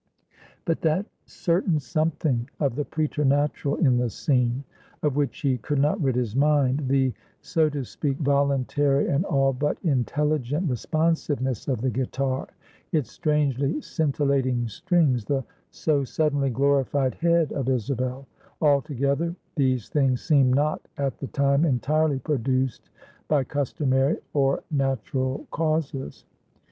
But that certain something of the preternatural in the scene, of which he could not rid his mind: the, so to speak, voluntary and all but intelligent responsiveness of the guitar its strangely scintillating strings the so suddenly glorified head of Isabel; altogether, these things seemed not at the time entirely produced by customary or natural causes.